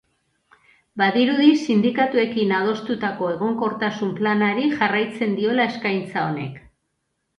Badirudi sindikatuekin adostutako egonkortasun planari jarraitzen diola eskaintza hoinek.